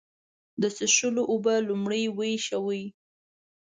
د څښلو اوبه لومړی وېشوئ.